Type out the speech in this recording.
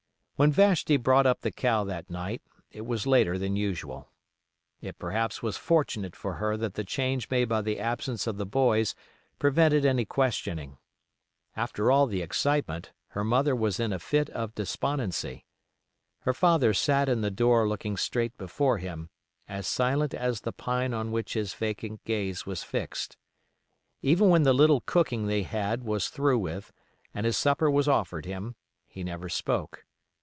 When Vashti brought up the cow that night it was later than usual. It perhaps was fortunate for her that the change made by the absence of the boys prevented any questioning. After all the excitement her mother was in a fit of despondency. Her father sat in the door looking straight before him, as silent as the pine on which his vacant gaze was fixed. Even when the little cooking they had was through with and his supper was offered him, he never spoke.